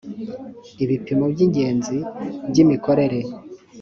ibipimo by ingenzi by imikorere